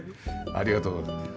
ありがとうございます。